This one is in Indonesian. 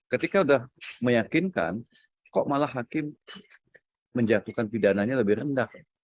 ketika sudah meyakinkan kok malah hakim menjatuhkan pidananya lebih rendah